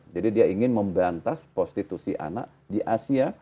jadi dia ingin memberantas prostitusi anak di asia